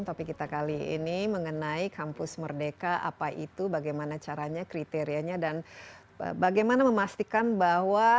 topik kita kali ini mengenai kampus merdeka apa itu bagaimana caranya kriterianya dan bagaimana memastikan bahwa